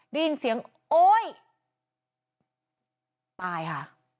ได้ยินเสียงโอ๊ยตายค่ะ